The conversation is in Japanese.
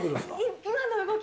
今の動き。